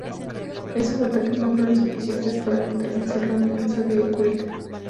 Estos ataques no fueron suficientes para neutralizar la amenaza de Kurita.